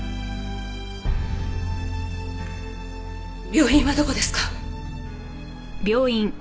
病院はどこですか？